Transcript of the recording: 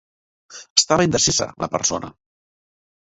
Estava indecisa la persona?